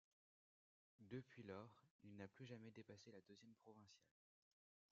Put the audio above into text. Depuis lors, il n'a plus jamais dépassé la deuxième provinciale.